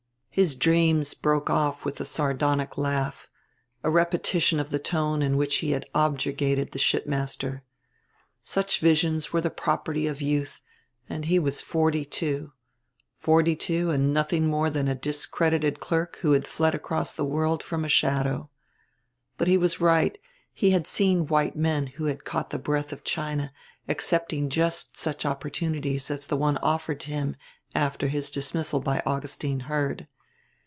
His dreams broke off with a sardonic laugh, a repetition of the tone in which he had objurgated the ship master. Such visions were the property of youth, and he was forty two, forty two and nothing more than a discredited clerk who had fled across the world from a shadow. But he was right he had seen white men who had caught the breath of China accepting just such opportunities as the one offered to him after his dismissal by Augustine Heard.